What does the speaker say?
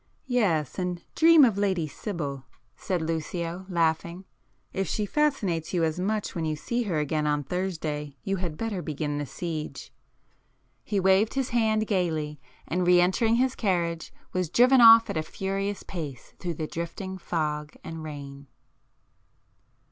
"Yes—and dream of Lady Sibyl!" said Lucio laughing—"If she fascinates you as much when you see her again on Thursday you had better begin the siege!" He waved his hand gaily, and re entering his carriage, was driven off at a furious pace through the drifting fog and rain.